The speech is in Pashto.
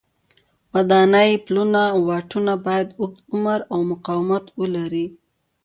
ودانۍ، پلونه او واټونه باید اوږد عمر او مقاومت ولري.